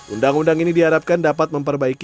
undang undang ini diharapkan dapat memperbaiki